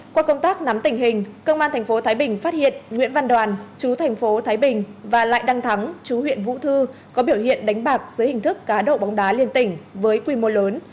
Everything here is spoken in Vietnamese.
qua công tác nắm tình hình công an tp thái bình phát hiện nguyễn văn đoàn chú thành phố thái bình và lại đăng thắng chú huyện vũ thư có biểu hiện đánh bạc dưới hình thức cá độ bóng đá liên tỉnh với quy mô lớn